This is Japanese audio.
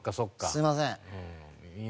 すいません。